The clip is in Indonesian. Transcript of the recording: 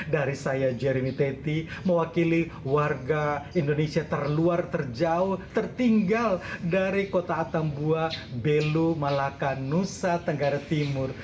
dari saya jeremy teti mewakili warga indonesia terluar terjauh tertinggal dari kota atambua belu malaka nusa tenggara timur